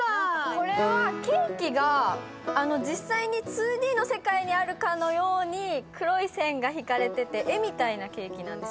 これはケーキが実際に２Ｄの世界にあるかのように黒い線が引かれてて絵みたいなケーキなんですよ。